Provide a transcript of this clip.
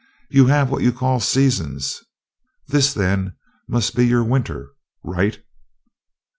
You have what you call 'seasons.' This, then, must be your 'winter.' Right?"